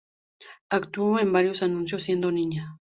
Actuó en varios anuncios siendo niña.